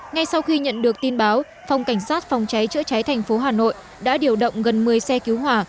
ngay sau khi nhận được tin báo phòng cảnh sát phòng cháy chữa cháy thành phố hà nội đã điều động gần một mươi xe cứu hỏa